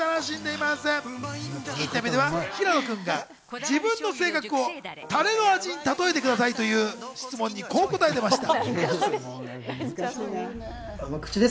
インタビューでは平野君が自分の性格をたれの味に例えてくださいという質問に、こう答えていました。